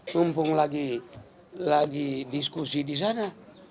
mumpung lagi diskusi di sana